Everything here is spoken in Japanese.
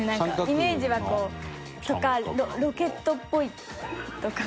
イメージは、こうとかロケットっぽいとか。